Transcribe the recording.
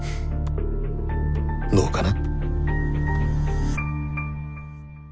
どうかな。